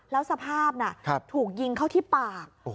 แล้วสภาพถูกยิงเข้าที่ปาก